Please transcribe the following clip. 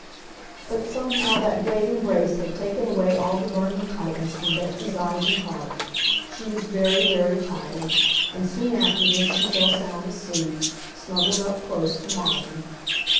But somehow that great embrace had taken away all the burning tightness from Betsy's eyes and heart. She was very, very tired, and soon after this she fell sound asleep, snuggled up close to Molly.